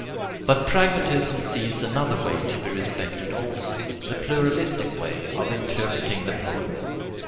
But pragmatism sees another way to be respected also, the pluralistic way of interpreting the poem.